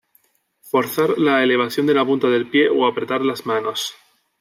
Forzar la elevación de la punta del pie o apretar las manos.